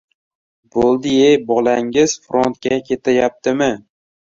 — Bo‘ldi-ye, bolangiz frontga ketayaptimi!